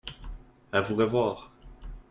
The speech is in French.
A vous revoir!